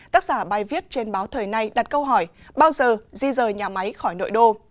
tác giả bài viết trên báo thời nay đặt câu hỏi bao giờ di rời nhà máy khỏi nội đô